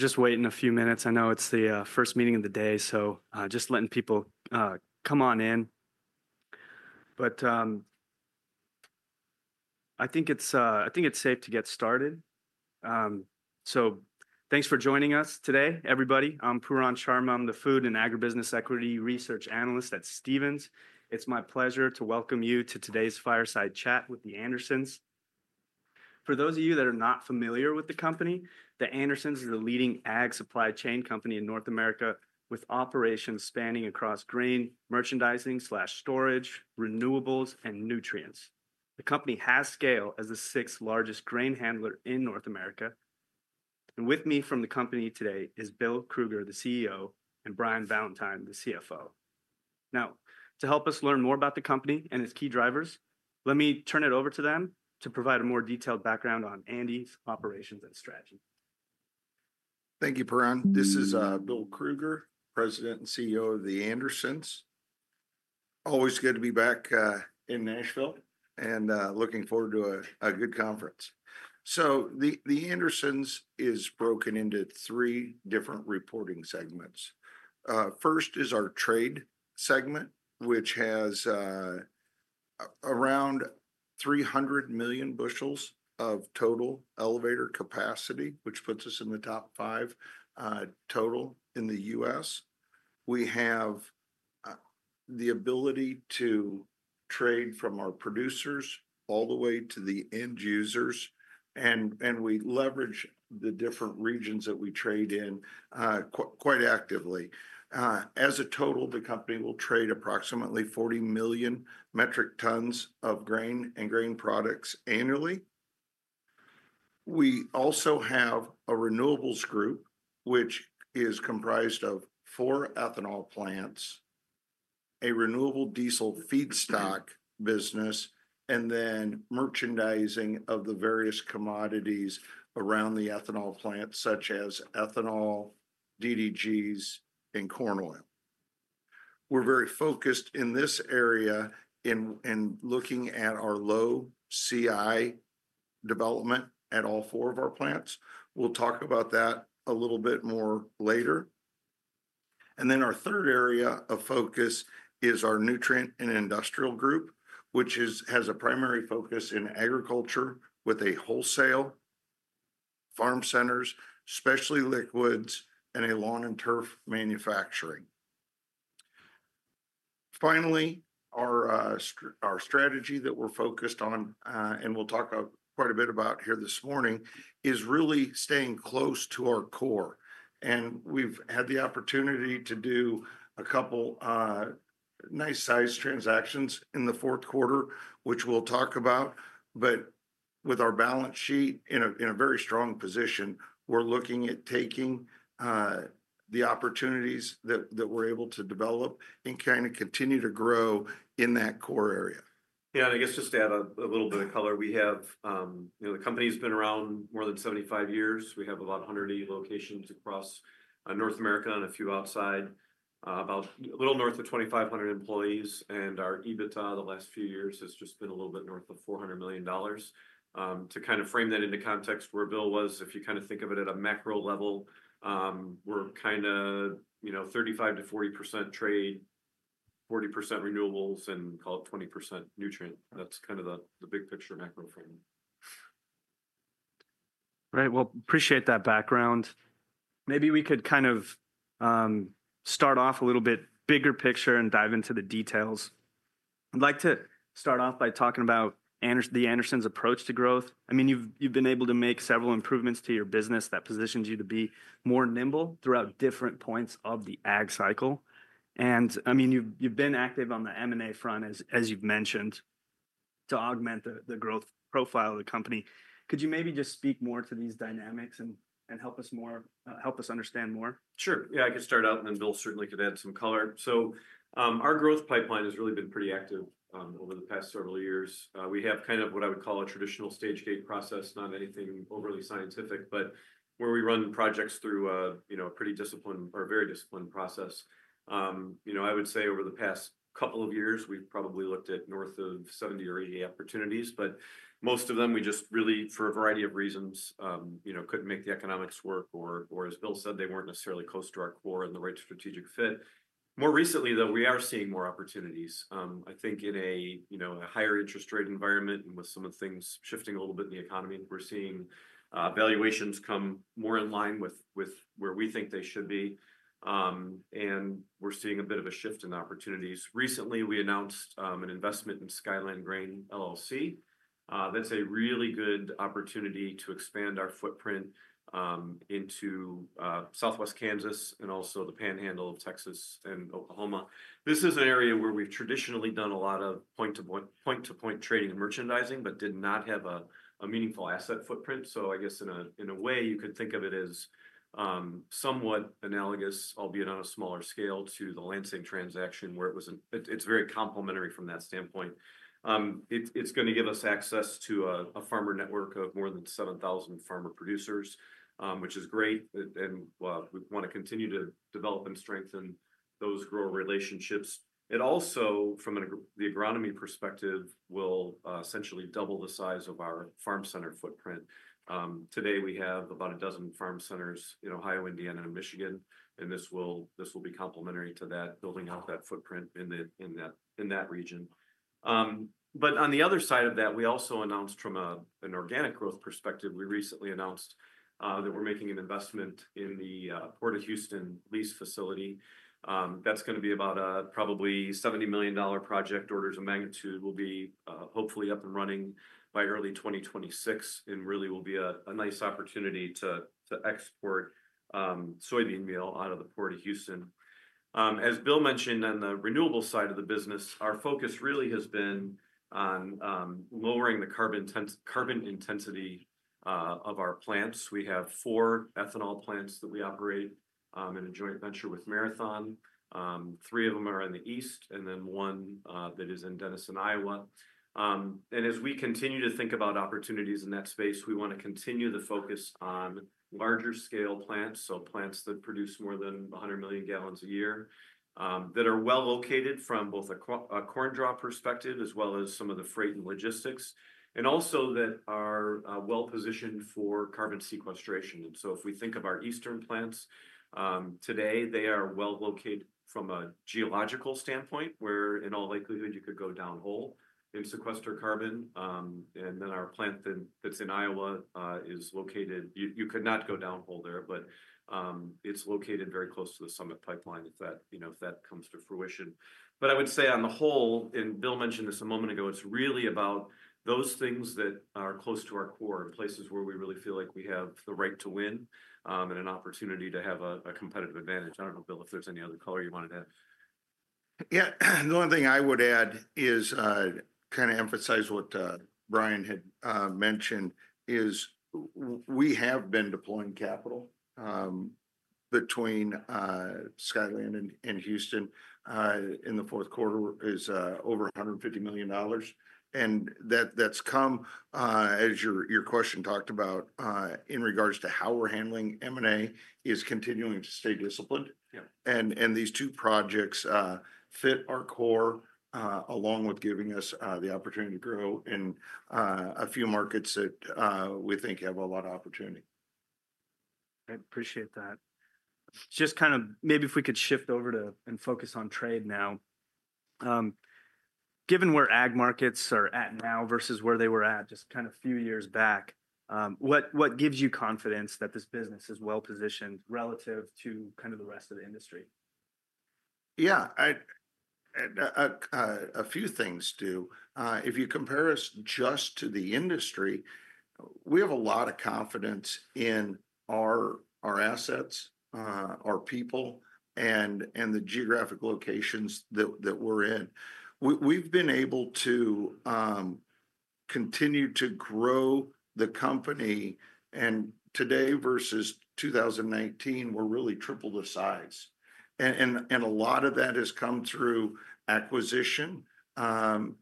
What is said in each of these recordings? We were just waiting a few minutes. I know it's the first meeting of the day, so just letting people come on in. But I think it's safe to get started. So thanks for joining us today, everybody. I'm Pooran Sharma. I'm the Food and Agribusiness Equity Research Analyst at Stephens. It's my pleasure to welcome you to today's Fireside Chat with The Andersons. For those of you that are not familiar with the company, The Andersons is the leading ag supply chain company in North America, with operations spanning across grain, merchandising/storage, renewables, and nutrients. The company has scale as the sixth largest grain handler in North America. And with me from the company today is Bill Krueger, the CEO, and Brian Valentine, the CFO. Now, to help us learn more about the company and its key drivers, let me turn it over to them to provide a more detailed background on ANDE's operations and strategy. Thank you, Pooran. This is Bill Krueger, President and CEO of The Andersons. Always good to be back in Nashville and looking forward to a good conference. So The Andersons is broken into three different reporting segments. First is our Trade segment, which has around 300 million bushels of total elevator capacity, which puts us in the top five total in the U.S. We have the ability to trade from our producers all the way to the end users, and we leverage the different regions that we trade in quite actively. As a total, the company will trade approximately 40 million metric tons of grain and grain products annually. We also have a Renewables group, which is comprised of four ethanol plants, a renewable diesel feedstock business, and then merchandising of the various commodities around the ethanol plants, such as ethanol, DDGS, and corn oil. We're very focused in this area in looking at our low CI development at all four of our plants. We'll talk about that a little bit more later, and then our third area of focus is our Nutrient and Industrial group, which has a primary focus in agriculture with a wholesale, farm centers, Specialty Liquids, and a lawn and turf manufacturing. Finally, our strategy that we're focused on, and we'll talk quite a bit about here this morning, is really staying close to our core, and we've had the opportunity to do a couple of nice-sized transactions in the fourth quarter, which we'll talk about, but with our balance sheet in a very strong position, we're looking at taking the opportunities that we're able to develop and kind of continue to grow in that core area. Yeah, and I guess just to add a little bit of color, we have the company has been around more than 75 years. We have about 180 locations across North America and a few outside, about a little north of 2,500 employees. And our EBITDA the last few years has just been a little bit north of $400 million. To kind of frame that into context where Bill was, if you kind of think of it at a macro level, we're kind of 35%-40% trade, 40% renewables, and call it 20% nutrient. That's kind of the big picture macro frame. Right. Well, appreciate that background. Maybe we could kind of start off a little bit bigger picture and dive into the details. I'd like to start off by talking about the Andersons' approach to growth. I mean, you've been able to make several improvements to your business that positioned you to be more nimble throughout different points of the ag cycle. And I mean, you've been active on the M&A front, as you've mentioned, to augment the growth profile of the company. Could you maybe just speak more to these dynamics and help us understand more? Sure. Yeah, I can start out, and then Bill certainly could add some color. So our growth pipeline has really been pretty active over the past several years. We have kind of what I would call a traditional stage gate process, not anything overly scientific, but where we run projects through a pretty disciplined or very disciplined process. I would say over the past couple of years, we've probably looked at north of 70 or 80 opportunities, but most of them, we just really, for a variety of reasons, couldn't make the economics work, or as Bill said, they weren't necessarily close to our core and the right strategic fit. More recently, though, we are seeing more opportunities. I think in a higher interest rate environment and with some of the things shifting a little bit in the economy, we're seeing valuations come more in line with where we think they should be, and we're seeing a bit of a shift in opportunities. Recently, we announced an investment in Skyland Grain, LLC. That's a really good opportunity to expand our footprint into Southwest Kansas and also the panhandle of Texas and Oklahoma. This is an area where we've traditionally done a lot of point-to-point trading and merchandising but did not have a meaningful asset footprint, so I guess in a way, you could think of it as somewhat analogous, albeit on a smaller scale, to the Lansing transaction, where it's very complementary from that standpoint. It's going to give us access to a farmer network of more than 7,000 farmer producers, which is great. We want to continue to develop and strengthen those grower relationships. It also, from the agronomy perspective, will essentially double the size of our farm center footprint. Today, we have about a dozen farm centers in Ohio, Indiana, and Michigan. This will be complementary to that, building out that footprint in that region. On the other side of that, we also announced from an organic growth perspective, we recently announced that we're making an investment in the Port of Houston lease facility. That's going to be about a probably $70 million project, orders of magnitude will be hopefully up and running by early 2026, and really will be a nice opportunity to export soybean meal out of the Port of Houston. As Bill mentioned, on the renewable side of the business, our focus really has been on lowering the carbon intensity of our plants. We have four ethanol plants that we operate in a joint venture with Marathon. Three of them are in the east, and then one that is in Denison, Iowa. And as we continue to think about opportunities in that space, we want to continue the focus on larger scale plants, so plants that produce more than 100 million gallons a year, that are well located from both a corn drop perspective as well as some of the freight and logistics, and also that are well positioned for carbon sequestration. And so if we think of our eastern plants today, they are well located from a geological standpoint, where in all likelihood, you could go downhole and sequester carbon. And then our plant that's in Iowa is located, you could not go downhole there, but it's located very close to the Summit pipeline if that comes to fruition. But I would say on the whole, and Bill mentioned this a moment ago, it's really about those things that are close to our core, places where we really feel like we have the right to win and an opportunity to have a competitive advantage. I don't know, Bill, if there's any other color you wanted to add. Yeah. The one thing I would add is kind of emphasize what Brian had mentioned is we have been deploying capital between Skyland and Houston in the fourth quarter is over $150 million. And that's come, as your question talked about, in regards to how we're handling M&A is continuing to stay disciplined. And these two projects fit our core along with giving us the opportunity to grow in a few markets that we think have a lot of opportunity. I appreciate that. Just kind of maybe if we could shift over to and focus on trade now. Given where ag markets are at now versus where they were at just kind of a few years back, what gives you confidence that this business is well positioned relative to kind of the rest of the industry? Yeah. A few things, too. If you compare us just to the industry, we have a lot of confidence in our assets, our people, and the geographic locations that we're in. We've been able to continue to grow the company. And today versus 2019, we're really triple the size. And a lot of that has come through acquisition, and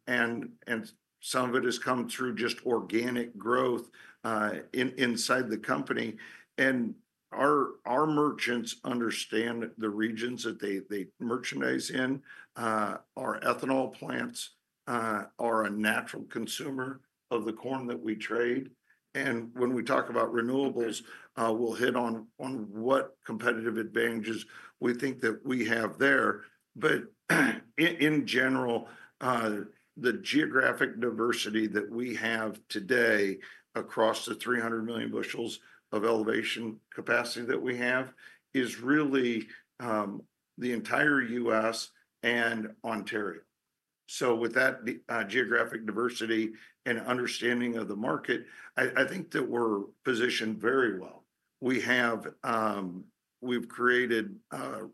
some of it has come through just organic growth inside the company. And our merchants understand the regions that they merchandise in. Our ethanol plants are a natural consumer of the corn that we trade. And when we talk about renewables, we'll hit on what competitive advantages we think that we have there. But in general, the geographic diversity that we have today across the 300 million bushels of elevator capacity that we have is really the entire U.S. and Ontario. So with that geographic diversity and understanding of the market, I think that we're positioned very well. We've created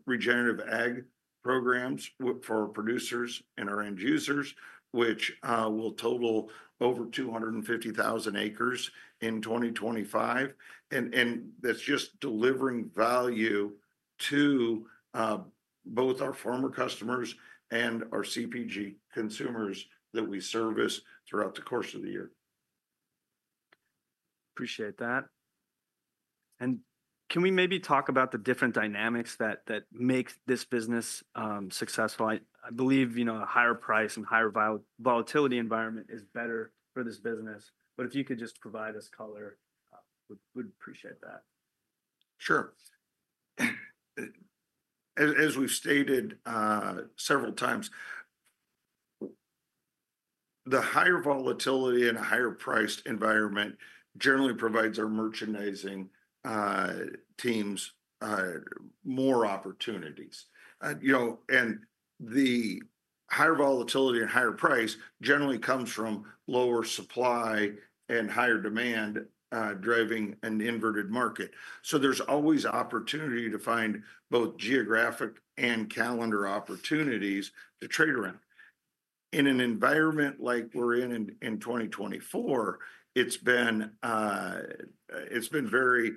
regenerative ag programs for producers and our end users, which will total over 250,000 acres in 2025. And that's just delivering value to both our former customers and our CPG consumers that we service throughout the course of the year. Appreciate that. And can we maybe talk about the different dynamics that make this business successful? I believe a higher price and higher volatility environment is better for this business. But if you could just provide us color, we'd appreciate that. Sure. As we've stated several times, the higher volatility and a higher priced environment generally provides our merchandising teams more opportunities. And the higher volatility and higher price generally comes from lower supply and higher demand driving an inverted market. So there's always opportunity to find both geographic and calendar opportunities to trade around. In an environment like we're in in 2024, it's been very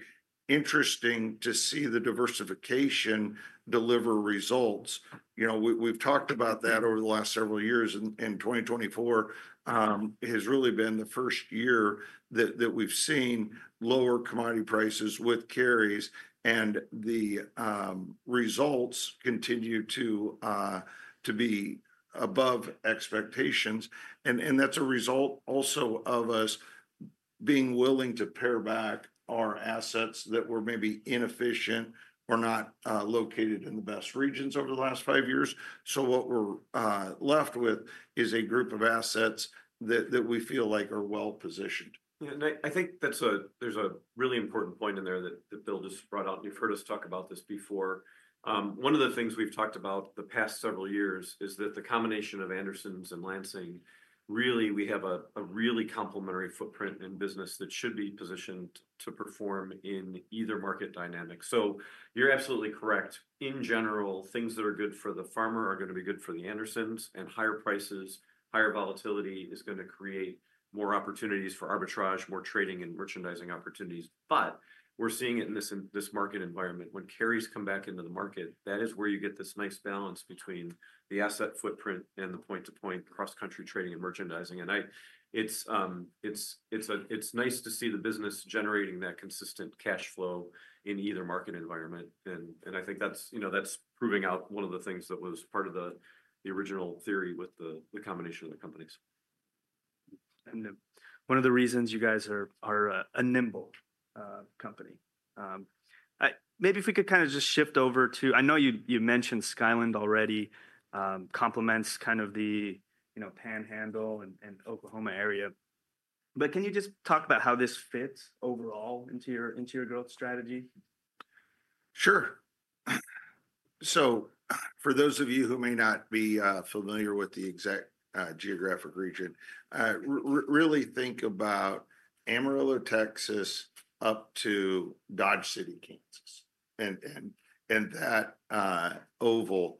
interesting to see the diversification deliver results. We've talked about that over the last several years. And 2024 has really been the first year that we've seen lower commodity prices with carries. And the results continue to be above expectations. And that's a result also of us being willing to pare back our assets that were maybe inefficient or not located in the best regions over the last five years. So what we're left with is a group of assets that we feel like are well positioned. Yeah, and I think there's a really important point in there that Bill just brought up, and you've heard us talk about this before. One of the things we've talked about the past several years is that the combination of the Andersons and Lansing really creates a really complementary footprint in business that should be positioned to perform in either market dynamic. So you're absolutely correct. In general, things that are good for the farmer are going to be good for the Andersons. And higher prices, higher volatility is going to create more opportunities for arbitrage, more trading and merchandising opportunities. But we're seeing it in this market environment. When carries come back into the market, that is where you get this nice balance between the asset footprint and the point-to-point cross-country trading and merchandising. And it's nice to see the business generating that consistent cash flow in either market environment. And I think that's proving out one of the things that was part of the original theory with the combination of the companies. One of the reasons you guys are a nimble company. Maybe if we could kind of just shift over to, I know you mentioned Skyland already complements kind of the panhandle and Oklahoma area. But can you just talk about how this fits overall into your growth strategy? Sure. So for those of you who may not be familiar with the exact geographic region, really think about Amarillo, Texas, up to Dodge City, Kansas. And that oval,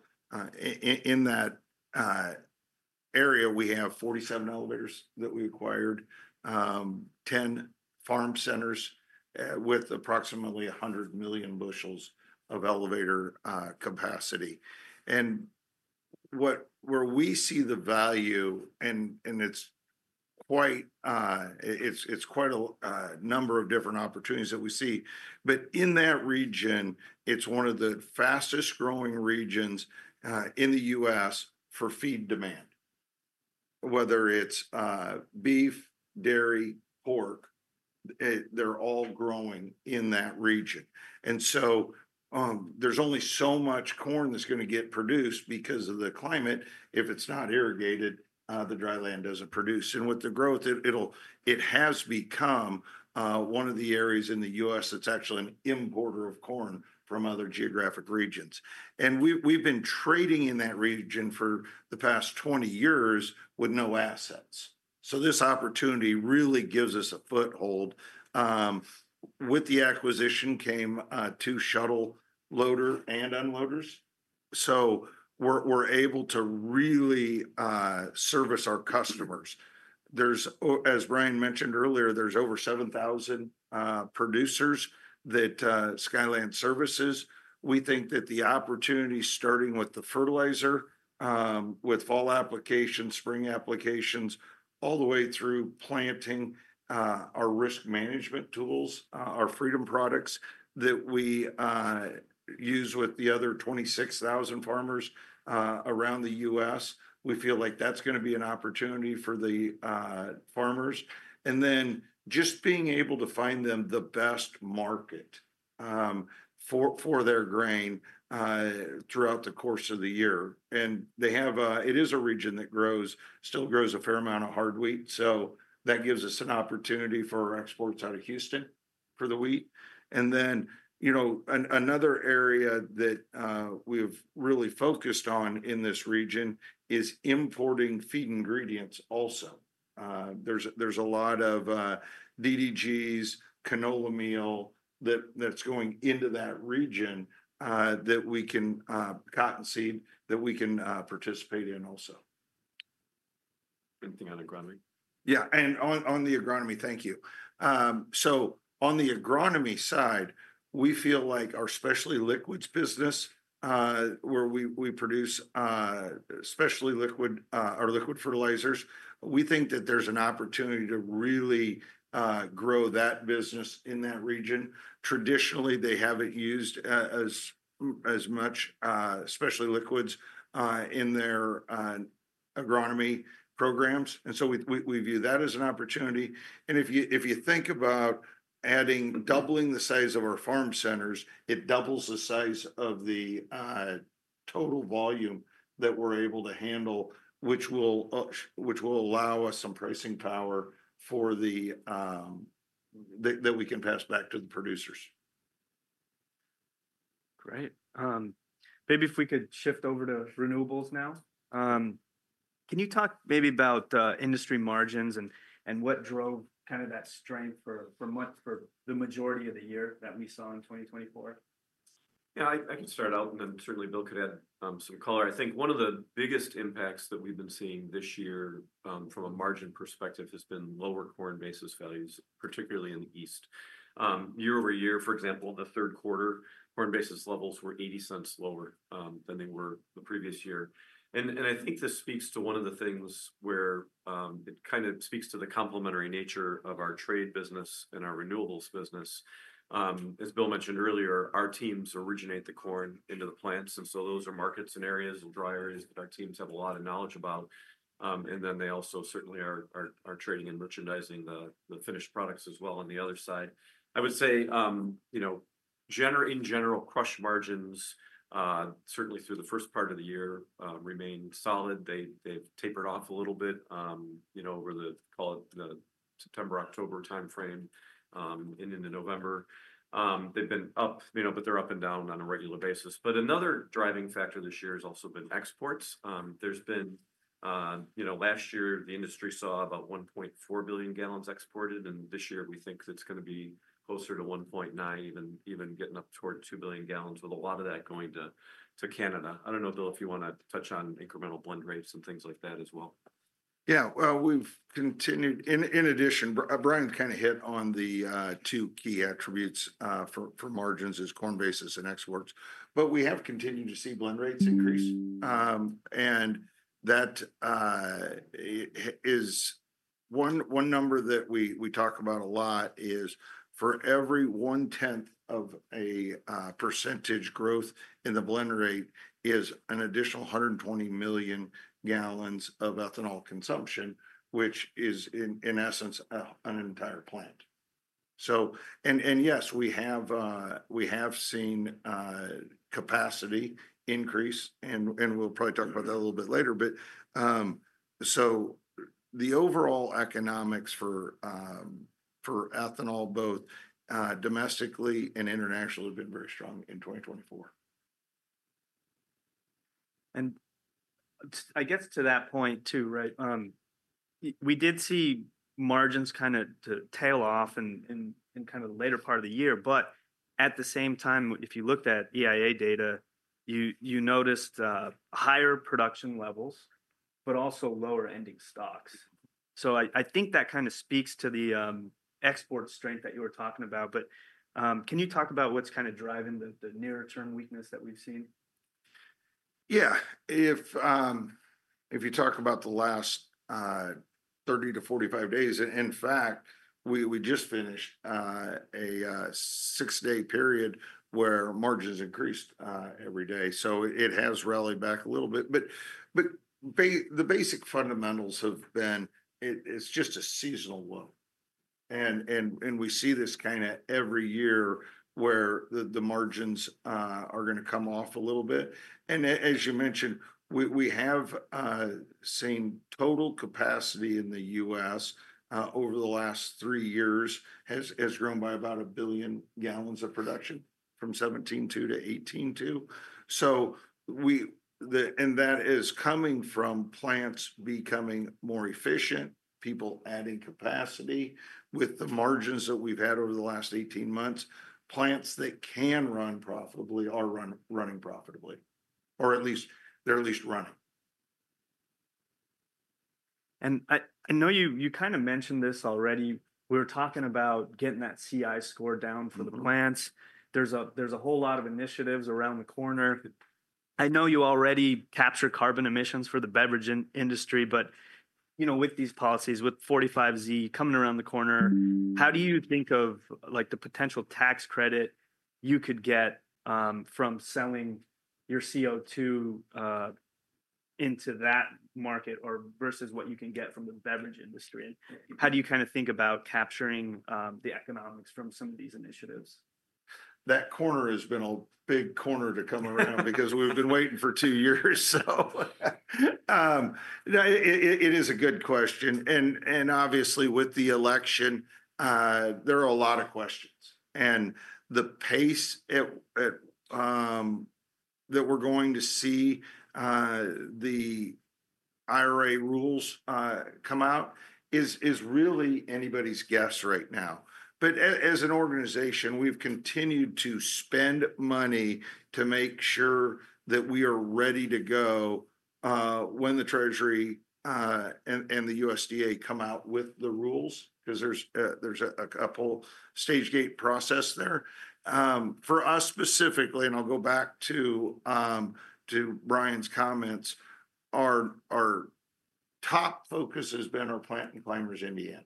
in that area, we have 47 elevators that we acquired, 10 farm centers with approximately 100 million bushels of elevator capacity. And where we see the value, and it's quite a number of different opportunities that we see. But in that region, it's one of the fastest growing regions in the U.S. for feed demand. Whether it's beef, dairy, pork, they're all growing in that region. And so there's only so much corn that's going to get produced because of the climate. If it's not irrigated, the dry land doesn't produce. And with the growth, it has become one of the areas in the U.S. that's actually an importer of corn from other geographic regions. And we've been trading in that region for the past 20 years with no assets. So this opportunity really gives us a foothold. With the acquisition came two shuttle loaders and unloaders. So we're able to really service our customers. As Brian mentioned earlier, there's over 7,000 producers that Skyland services. We think that the opportunity starting with the fertilizer, with fall applications, spring applications, all the way through planting, our risk management tools, our Freedom products that we use with the other 26,000 farmers around the U.S., we feel like that's going to be an opportunity for the farmers. And then just being able to find them the best market for their grain throughout the course of the year. And it is a region that still grows a fair amount of hard wheat. So that gives us an opportunity for our exports out of Houston for the wheat. And then another area that we've really focused on in this region is importing feed ingredients also. There's a lot of DDGS, canola meal that's going into that region that we can, cotton seed that we can participate in also. Anything on agronomy? Yeah. On the agronomy, thank you. On the agronomy side, we feel like our Specialty Liquids business, where we produce specialty liquid or liquid fertilizers, we think that there's an opportunity to really grow that business in that region. Traditionally, they haven't used as much Specialty Liquids in their agronomy programs. We view that as an opportunity. If you think about adding, doubling the size of our farm centers, it doubles the size of the total volume that we're able to handle, which will allow us some pricing power that we can pass back to the producers. Great. Maybe if we could shift over to renewables now. Can you talk maybe about industry margins and what drove kind of that strength for the majority of the year that we saw in 2024? Yeah. I can start out, and then certainly Bill could add some color. I think one of the biggest impacts that we've been seeing this year from a margin perspective has been lower corn basis values, particularly in the east. Year-over-year, for example, in the third quarter, corn basis levels were $0.80 lower than they were the previous year. And I think this speaks to one of the things where it kind of speaks to the complementary nature of our trade business and our renewables business. As Bill mentioned earlier, our teams originate the corn into the plants. And so those are markets and areas, dry areas that our teams have a lot of knowledge about. And then they also certainly are trading and merchandising the finished products as well on the other side. I would say, in general, crush margins certainly through the first part of the year remained solid. They've tapered off a little bit over the, call it the September, October timeframe into November. They've been up, but they're up and down on a regular basis. But another driving factor this year has also been exports. Last year, the industry saw about 1.4 billion gallons exported. And this year, we think it's going to be closer to 1.9, even getting up toward 2 billion gallons with a lot of that going to Canada. I don't know, Bill, if you want to touch on incremental blend rates and things like that as well. Yeah. In addition, Brian kind of hit on the two key attributes for margins as corn basis and exports. But we have continued to see blend rates increase. And one number that we talk about a lot is for every 0.1% growth in the blend rate is an additional 120 million gallons of ethanol consumption, which is in essence an entire plant. And yes, we have seen capacity increase. And we'll probably talk about that a little bit later. So the overall economics for ethanol, both domestically and internationally, have been very strong in 2024. And I guess to that point too, right? We did see margins kind of tail off in kind of the later part of the year. But at the same time, if you looked at EIA data, you noticed higher production levels, but also lower ending stocks. So I think that kind of speaks to the export strength that you were talking about. But can you talk about what's kind of driving the near-term weakness that we've seen? Yeah. If you talk about the last 30-45 days, in fact, we just finished a six-day period where margins increased every day. So it has rallied back a little bit. But the basic fundamentals have been it's just a seasonal low. And we see this kind of every year where the margins are going to come off a little bit. And as you mentioned, we have seen total capacity in the U.S. over the last three years has grown by about a billion gallons of production from 17 to 18 to. And that is coming from plants becoming more efficient, people adding capacity. With the margins that we've had over the last 18 months, plants that can run profitably are running profitably. Or at least they're at least running. I know you kind of mentioned this already. We were talking about getting that CI score down for the plants. There's a whole lot of initiatives around the corner. I know you already capture carbon emissions for the beverage industry. But with these policies, with 45Z coming around the corner, how do you think of the potential tax credit you could get from selling your CO2 into that market versus what you can get from the beverage industry? And how do you kind of think about capturing the economics from some of these initiatives? That corner has been a big corner to come around because we've been waiting for two years. So it is a good question. And obviously, with the election, there are a lot of questions. And the pace that we're going to see the IRA rules come out is really anybody's guess right now. But as an organization, we've continued to spend money to make sure that we are ready to go when the Treasury and the USDA come out with the rules because there's a couple stage gate process there. For us specifically, and I'll go back to Brian's comments, our top focus has been our plant in Clymers, Indiana.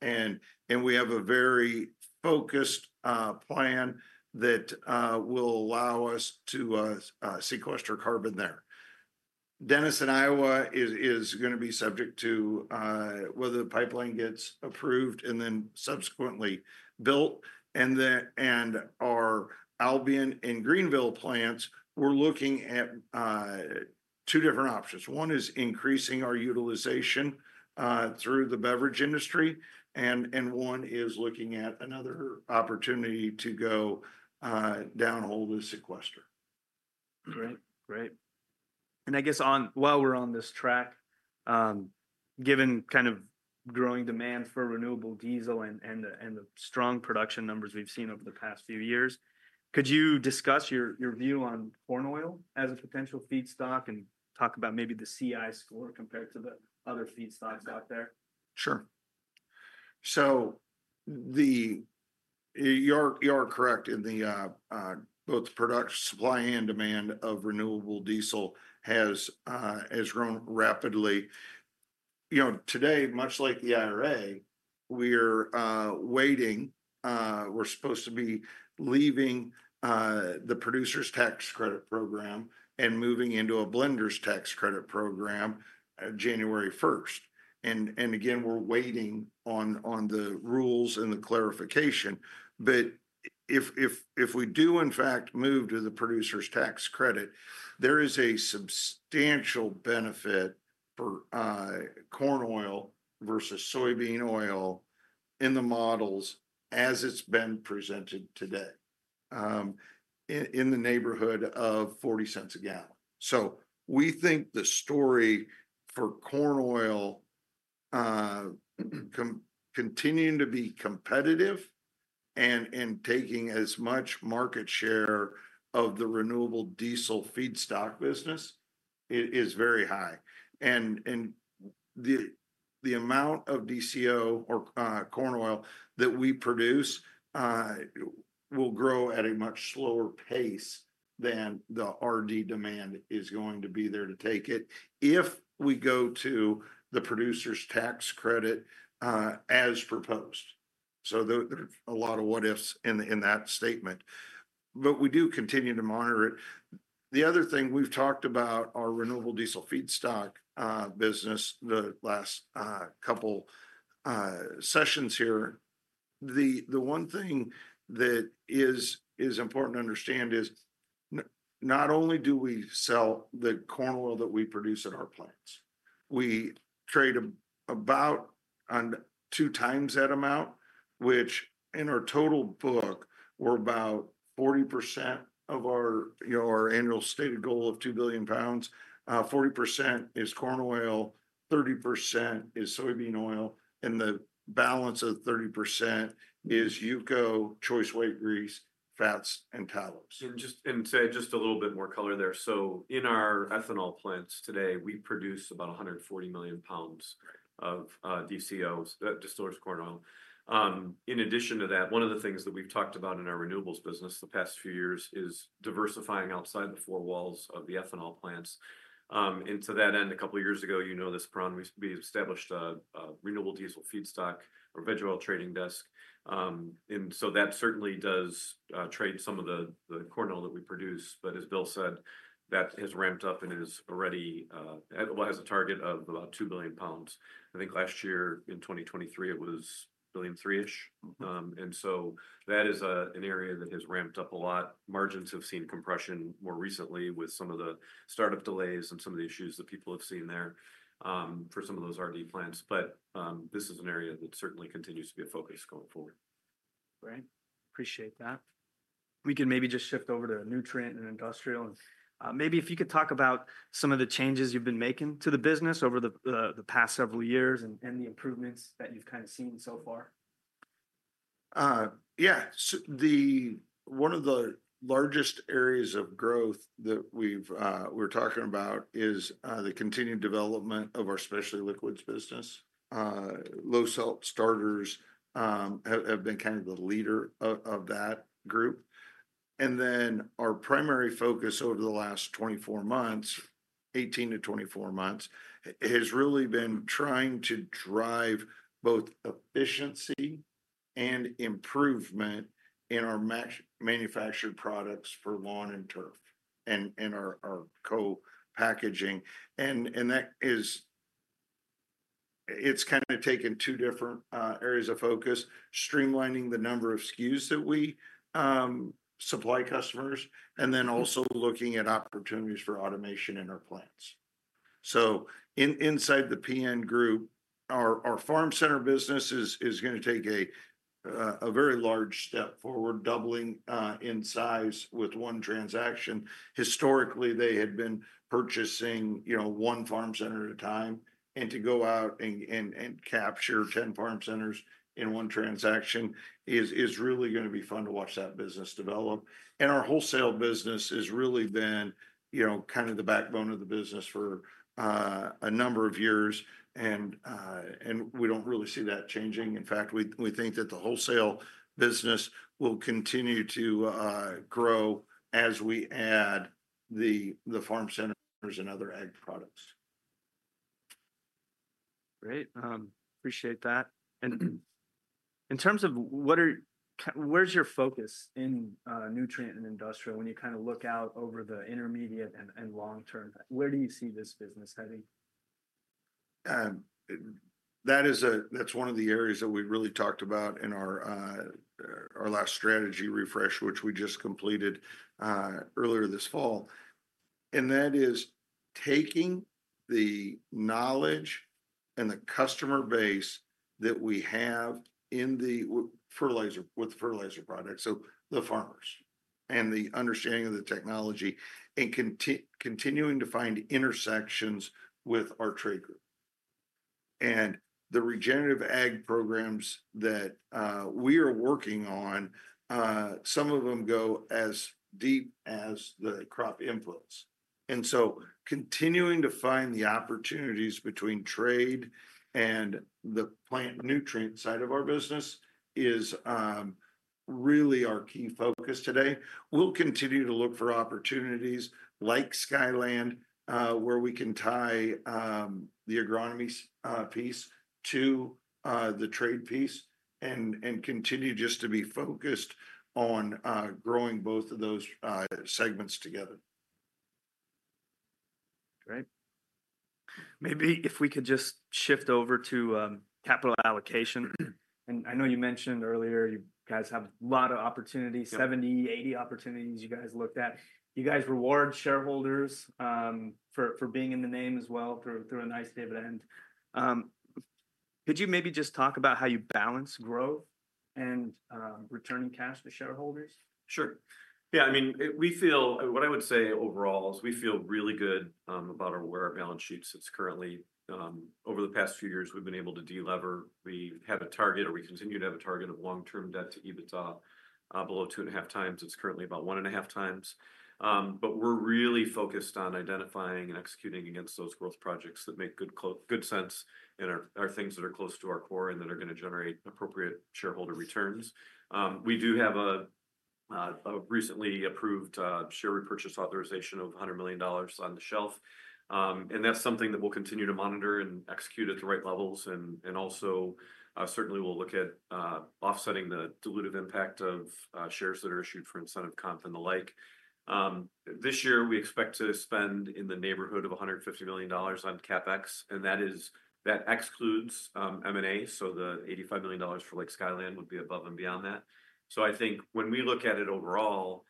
And we have a very focused plan that will allow us to sequester carbon there. Denison in Iowa is going to be subject to whether the pipeline gets approved and then subsequently built. And our Albion and Greenville plants, we're looking at two different options. One is increasing our utilization through the beverage industry. And one is looking at another opportunity to go downhole to sequester. Great. Great. And I guess while we're on this track, given kind of growing demand for renewable diesel and the strong production numbers we've seen over the past few years, could you discuss your view on corn oil as a potential feedstock and talk about maybe the CI score compared to the other feedstocks out there? Sure. So you are correct in both the supply and demand of renewable diesel has grown rapidly. Today, much like the IRA, we are waiting. We're supposed to be leaving the producer's tax credit program and moving into a blender's tax credit program January 1st. And again, we're waiting on the rules and the clarification. But if we do, in fact, move to the producer's tax credit, there is a substantial benefit for corn oil versus soybean oil in the models as it's been presented today in the neighborhood of $0.40 a gallon. So we think the story for corn oil continuing to be competitive and taking as much market share of the renewable diesel feedstock business is very high. And the amount of DCO or corn oil that we produce will grow at a much slower pace than the RD demand is going to be there to take it if we go to the producer's tax credit as proposed. So there are a lot of what-ifs in that statement. But we do continue to monitor it. The other thing we've talked about, our renewable diesel feed stock business the last couple sessions here, the one thing that is important to understand is not only do we sell the corn oil that we produce at our plants, we trade about two times that amount, which in our total book, we're about 40% of our annual stated goal of 2 billion pounds. 40% is corn oil, 30% is soybean oil. And the balance of 30% is UCO, choice white grease, fats, and tallows. And to add just a little bit more color there, so in our ethanol plants today, we produce about 140 million pounds of DCO, distillers corn oil. In addition to that, one of the things that we've talked about in our renewables business the past few years is diversifying outside the four walls of the ethanol plants. And to that end, a couple of years ago, you know this program, we established a renewable diesel feedstock or veg oil trading desk. And so that certainly does trade some of the corn oil that we produce. But as Bill said, that has ramped up and already has a target of about 2 billion pounds. I think last year in 2023, it was 1.3 billion-ish. And so that is an area that has ramped up a lot. Margins have seen compression more recently with some of the startup delays and some of the issues that people have seen there for some of those RD plants, but this is an area that certainly continues to be a focus going forward. Great. Appreciate that. We can maybe just shift over to nutrient and industrial. Maybe if you could talk about some of the changes you've been making to the business over the past several years and the improvements that you've kind of seen so far. Yeah. One of the largest areas of growth that we're talking about is the continued development of our Specialty Liquids business. Low salt starters have been kind of the leader of that group. And then our primary focus over the last 24 months, 18 to 24 months, has really been trying to drive both efficiency and improvement in our manufactured products for lawn and turf and our co-packaging. And it's kind of taken two different areas of focus, streamlining the number of SKUs that we supply customers, and then also looking at opportunities for automation in our plants. So inside the PN group, our farm center business is going to take a very large step forward, doubling in size with one transaction. Historically, they had been purchasing one farm center at a time. To go out and capture 10 farm centers in one transaction is really going to be fun to watch that business develop. Our wholesale business has really been kind of the backbone of the business for a number of years. We don't really see that changing. In fact, we think that the wholesale business will continue to grow as we add the farm centers and other ag products. Great. Appreciate that. And in terms of where's your focus in nutrient and industrial when you kind of look out over the intermediate and long term, where do you see this business heading? That's one of the areas that we really talked about in our last strategy refresh, which we just completed earlier this fall, and that is taking the knowledge and the customer base that we have with fertilizer products, so the farmers, and the understanding of the technology and continuing to find intersections with our trade group, and the regenerative ag programs that we are working on, some of them go as deep as the crop influence, and so continuing to find the opportunities between trade and the plant nutrient side of our business is really our key focus today. We'll continue to look for opportunities like Skyland, where we can tie the agronomy piece to the trade piece and continue just to be focused on growing both of those segments together. Great. Maybe if we could just shift over to capital allocation, and I know you mentioned earlier you guys have a lot of opportunities, 70, 80 opportunities you guys looked at. You guys reward shareholders for being in the name as well through a nice dividend. Could you maybe just talk about how you balance growth and returning cash to shareholders? Sure. Yeah. I mean, what I would say overall is we feel really good about where our balance sheet sits currently. Over the past few years, we've been able to delever. We have a target, or we continue to have a target of long-term debt to EBITDA below two and a half times. It's currently about one and a half times, but we're really focused on identifying and executing against those growth projects that make good sense and are things that are close to our core and that are going to generate appropriate shareholder returns. We do have a recently approved share repurchase authorization of $100 million on the shelf, and that's something that we'll continue to monitor and execute at the right levels, and also, certainly, we'll look at offsetting the dilutive impact of shares that are issued for incentive comp and the like. This year, we expect to spend in the neighborhood of $150 million on CapEx. That excludes M&A. The $85 million for Skyland would be above and beyond that. We think when we look at it overall,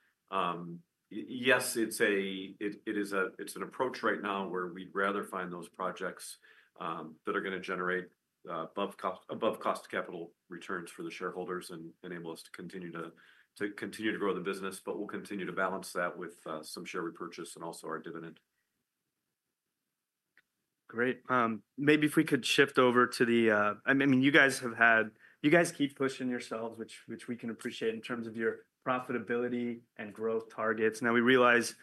yes, it's an approach right now where we'd rather find those projects that are going to generate above cost capital returns for the shareholders and enable us to continue to grow the business. We'll continue to balance that with some share repurchase and also our dividend. Great. Maybe if we could shift over to the, I mean, you guys keep pushing yourselves, which we can appreciate in terms of your profitability and growth targets. Now, we realize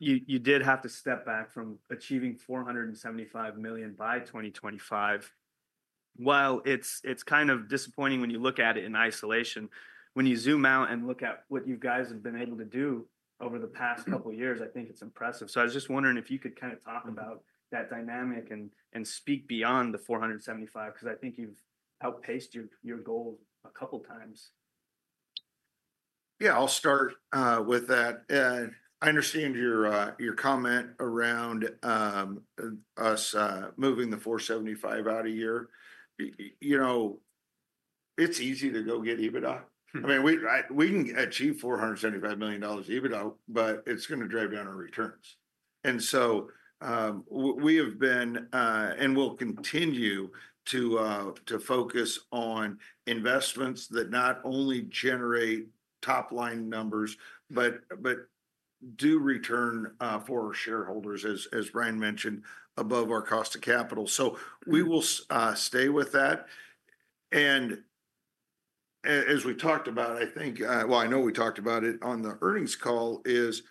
you did have to step back from achieving $475 million by 2025. While it's kind of disappointing when you look at it in isolation, when you zoom out and look at what you guys have been able to do over the past couple of years, I think it's impressive. So I was just wondering if you could kind of talk about that dynamic and speak beyond the $475 million because I think you've outpaced your goal a couple of times. Yeah, I'll start with that. I understand your comment around us moving the $475 million out a year. It's easy to go get EBITDA. I mean, we can achieve $475 million EBITDA, but it's going to drive down our returns, and so we have been and will continue to focus on investments that not only generate top-line numbers, but do return for our shareholders, as Brian mentioned, above our cost of capital, so we will stay with that, and as we talked about, I think, well, I know we talked about it on the earnings call, is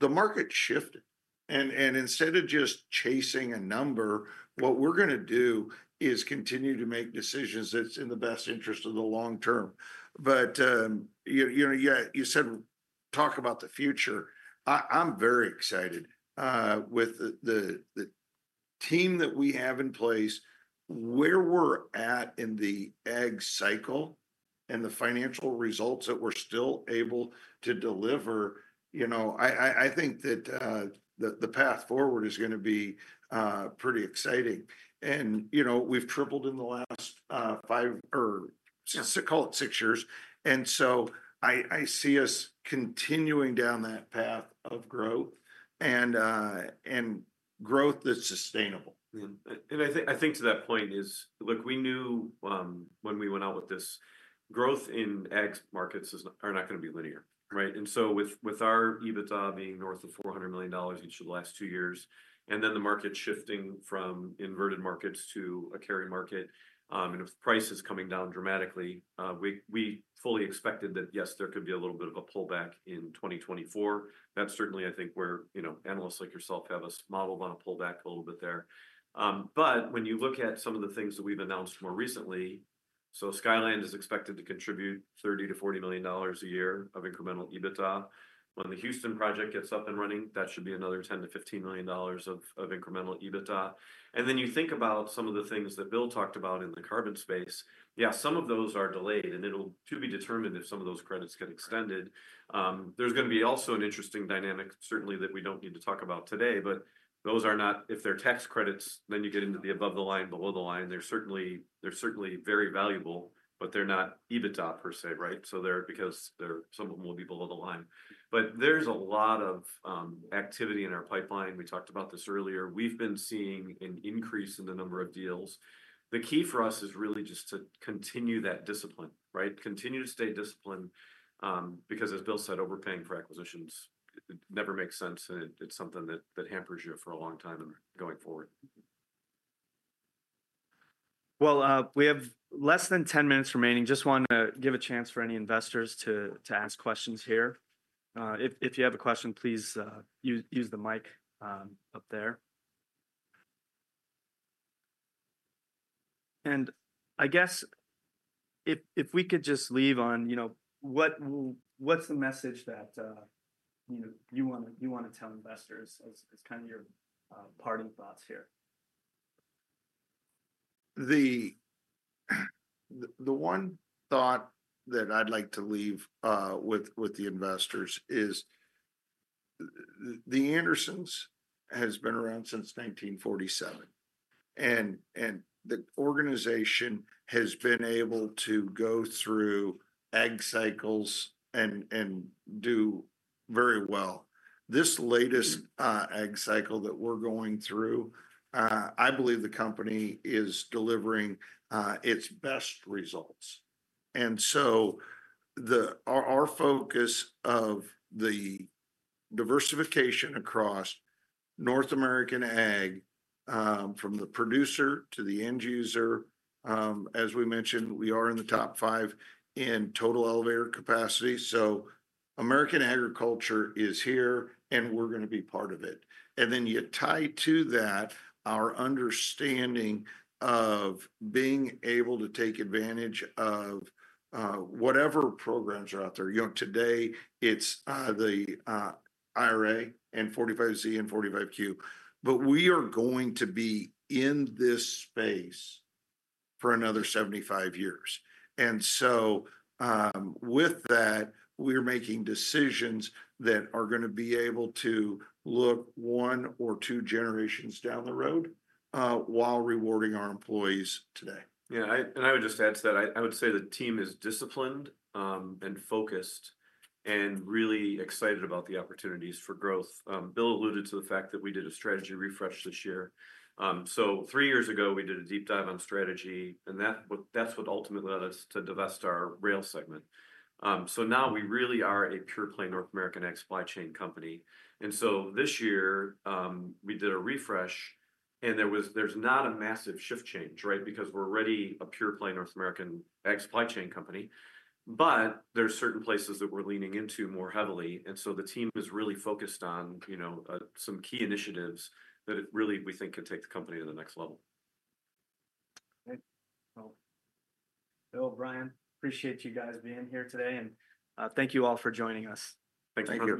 the market shifted, and instead of just chasing a number, what we're going to do is continue to make decisions that's in the best interest of the long term, but you said, talk about the future. I'm very excited with the team that we have in place, where we're at in the ag cycle and the financial results that we're still able to deliver. I think that the path forward is going to be pretty exciting, and we've tripled in the last five or call it six years, and so I see us continuing down that path of growth and growth that's sustainable. And I think to that point is, look, we knew when we went out with this growth in ag markets are not going to be linear, right? And so with our EBITDA being north of $400 million each of the last two years, and then the market shifting from inverted markets to a carry market, and if the price is coming down dramatically, we fully expected that, yes, there could be a little bit of a pullback in 2024. That's certainly, I think, where analysts like yourself have modeled on a pullback a little bit there. But when you look at some of the things that we've announced more recently, so Skyland is expected to contribute $30-$40 million a year of incremental EBITDA. When the Houston project gets up and running, that should be another $10-$15 million of incremental EBITDA. And then you think about some of the things that Bill talked about in the carbon space, yeah, some of those are delayed. And it'll be determined if some of those credits get extended. There's going to be also an interesting dynamic, certainly, that we don't need to talk about today. But those are not, if they're tax credits, then you get into the above the line, below the line. They're certainly very valuable, but they're not EBITDA per se, right? So because some of them will be below the line. But there's a lot of activity in our pipeline. We talked about this earlier. We've been seeing an increase in the number of deals. The key for us is really just to continue that discipline, right? Continue to stay disciplined because, as Bill said, overpaying for acquisitions never makes sense. It's something that hampers you for a long time going forward. Well, we have less than 10 minutes remaining. Just want to give a chance for any investors to ask questions here. If you have a question, please use the mic up there. And I guess if we could just leave on what's the message that you want to tell investors as kind of your parting thoughts here? The one thought that I'd like to leave with the investors is The Andersons has been around since 1947. And the organization has been able to go through ag cycles and do very well. This latest ag cycle that we're going through, I believe the company is delivering its best results. And so our focus of the diversification across North American ag, from the producer to the end user, as we mentioned, we are in the top five in total elevator capacity. So American agriculture is here, and we're going to be part of it. And then you tie to that our understanding of being able to take advantage of whatever programs are out there. Today, it's the IRA and 45Z and 45Q. But we are going to be in this space for another 75 years. With that, we are making decisions that are going to be able to look one or two generations down the road while rewarding our employees today. Yeah. And I would just add to that, I would say the team is disciplined and focused and really excited about the opportunities for growth. Bill alluded to the fact that we did a strategy refresh this year. So three years ago, we did a deep dive on strategy. And that's what ultimately led us to divest our rail segment. So now we really are a pure-play North American ag supply chain company. And so this year, we did a refresh. And there's not a massive shift change, right? Because we're already a pure-play North American ag supply chain company. But there are certain places that we're leaning into more heavily. And so the team is really focused on some key initiatives that really we think could take the company to the next level. Great. Bill, Brian, appreciate you guys being here today. And thank you all for joining us. Thanks for coming.